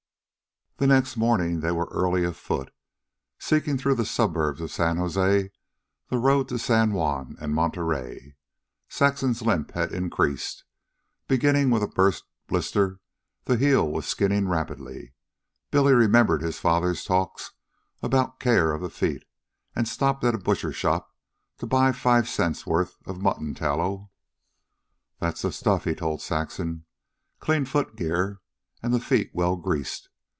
The next morning they were early afoot, seeking through the suburbs of San Jose the road to San Juan and Monterey. Saxon's limp had increased. Beginning with a burst blister, her heel was skinning rapidly. Billy remembered his father's talks about care of the feet, and stopped at a butcher shop to buy five cents' worth of mutton tallow. "That's the stuff," he told Saxon. "Clean foot gear and the feet well greased.